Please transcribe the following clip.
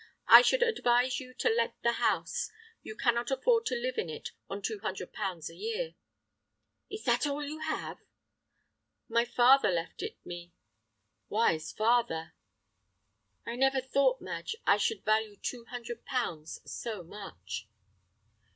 I should advise you to let the house. You cannot afford to live in it on two hundred pounds a year." "Is that all you have?" "My father left it me." "Wise father!" "I never thought, Madge, I should value two hundred pounds so much."